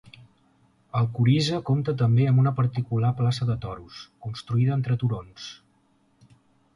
Alcorisa compta també amb una particular plaça de toros, construïda entre turons.